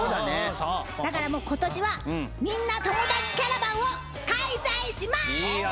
だからもう今年はみんなともだちキャラバンを開催します！